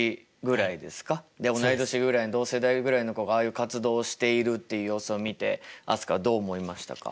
同い年ぐらいの同世代ぐらいの子がああいう活動をしているっていう様子を見て飛鳥はどう思いましたか？